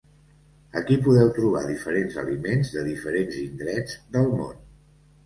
Aquí podeu trobar diferents aliments de diferents indrets del món.